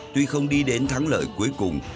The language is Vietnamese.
tuy không đi đến thắng lợi cuối cùng